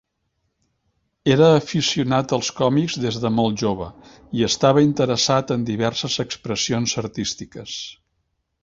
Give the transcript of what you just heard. Era aficionat als còmics des de molt jove i estava interessat en diverses expressions artístiques.